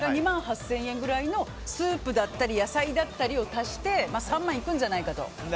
２万８０００円ぐらいにスープだったり野菜を足して３万いくんじゃないかと。